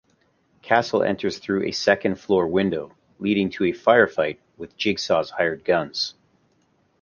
Castle enters through a second-floor window, leading to a firefight with Jigsaw's hired guns.